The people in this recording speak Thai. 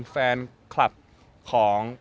แฟนคลับของ